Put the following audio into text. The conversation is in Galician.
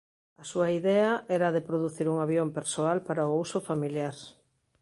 A súa idea era a de producir un avión persoal para o uso familiar.